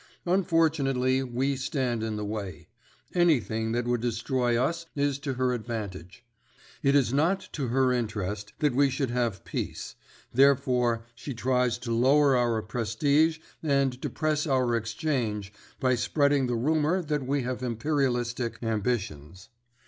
Unfortunately we stand in the way; anything that would destroy us is to her advantage. It is not to her interest that we should have peace; therefore she tries to lower our prestige and depress our exchange by spreading the rumour that we have imperialistic ambitions.